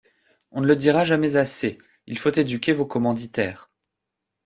On ne le dira jamais assez: il faut éduquer vos commanditaires.